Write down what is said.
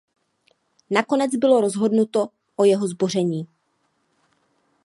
Nakonec bylo rozhodnuto o jeho zboření.